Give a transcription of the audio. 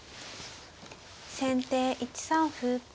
先手１三歩。